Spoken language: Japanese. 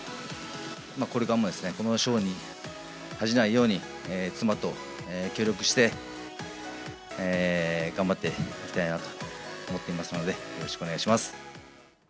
これからもこの賞に恥じないように、妻と協力して頑張っていきたいなと思っていますので、よろしくお願いします。